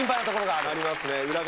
ありますね。